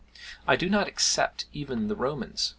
I do not except even the Romans.